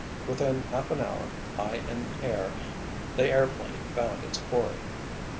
Within half an hour, high in air, the airplane found its quarry!